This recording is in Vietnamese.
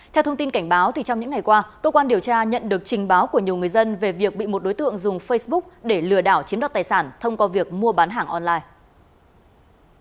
theo thông tin cảnh báo trong những ngày qua cơ quan điều tra nhận được trình báo của nhiều người dân về việc bị một đối tượng dùng facebook để lừa đảo chiếm đoạt tài sản thông qua việc mua bán hàng online